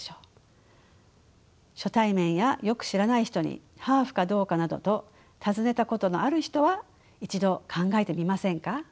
初対面やよく知らない人にハーフかどうかなどと尋ねたことのある人は一度考えてみませんか。